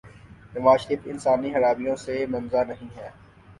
نوازشریف انسانی خرابیوں سے منزہ نہیں ہیں۔